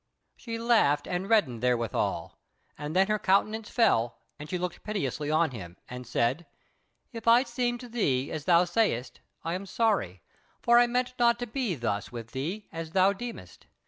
She laughed and reddened therewithal; and then her countenance fell and she looked piteously on him and said: "If I seemed to thee as thou sayest, I am sorry; for I meant not to be thus with thee as thou deemest.